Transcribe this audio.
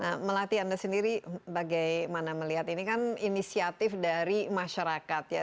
nah melati anda sendiri bagaimana melihat ini kan inisiatif dari masyarakat ya